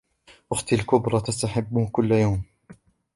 أختي الكبرى تستحم كل يوم.